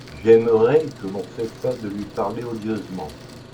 J'aimerais que l'on cessât de lui parler odieusement.